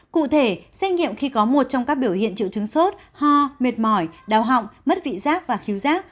cụ thể xét nghiệm khi có một trong các biểu hiện triệu chứng sốt ho mệt mỏi đau họng mất vị giác và khiếu rác